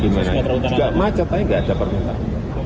di sumatera utara juga macet tapi nggak ada permintaan